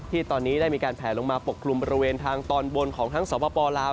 ที่ตอนนี้ได้มีการแผลลงมาปกคลุมบริเวณทางตอนบนของทั้งสปลาว